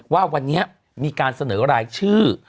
ว่าวันนี้มีการเสนอรายชื่อ